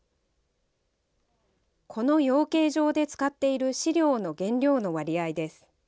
この養鶏場で使っている飼料の原料の割合です。